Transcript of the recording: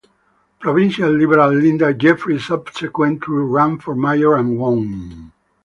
Provincial Liberal Linda Jeffrey subsequently ran for mayor and won.